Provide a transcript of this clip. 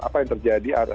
apa yang terjadi